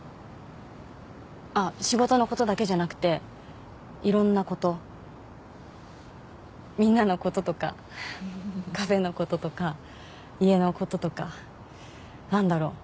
あっ仕事のことだけじゃなくて色んなみんなのこととかカフェのこととか家のこととかなんだろう？